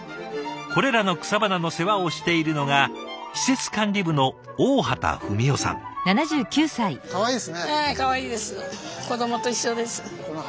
これらの草花の世話をしているのがはいかわいいです。